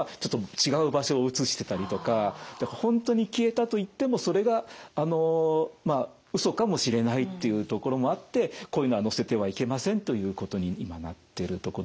あと時々あるのは本当に消えたといってもそれがうそかもしれないというところもあってこういうのは載せてはいけませんということに今なってるとこです。